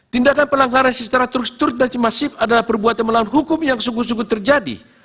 tindakan pelanggaran secara terus terus dan masif adalah perbuatan melawan hukum yang sungguh sungguh terjadi